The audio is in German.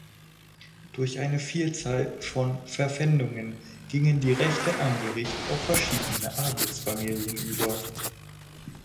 Durch eine Vielzahl von Verpfändungen gingen die Rechte am Gericht auf verschiedene Adelsfamilien über.